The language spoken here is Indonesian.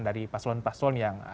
kalau saya mendengar perdebatan